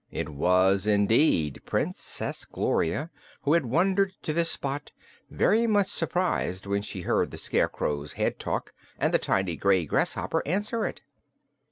It was, indeed, Princess Gloria, who had wandered to this spot, very much surprised when she heard the Scarecrow's head talk and the tiny gray grasshopper answer it.